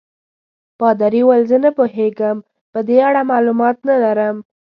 پادري وویل: زه نه پوهېږم، په دې اړه معلومات نه لرم.